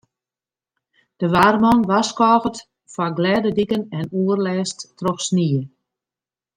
De waarman warskôget foar glêde diken en oerlêst troch snie.